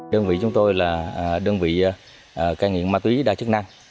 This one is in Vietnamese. đơn vị chúng tôi là đơn vị ca nghiện ma túy đa chức năng